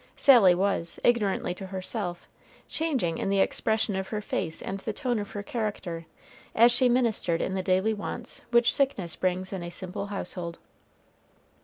Sally was, ignorantly to herself, changing in the expression of her face and the tone of her character, as she ministered in the daily wants which sickness brings in a simple household.